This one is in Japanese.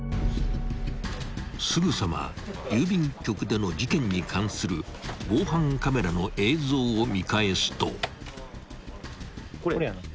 ［すぐさま郵便局での事件に関する防犯カメラの映像を見返すと］